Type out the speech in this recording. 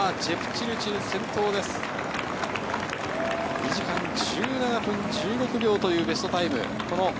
２時間１７分１６秒というベストタイム。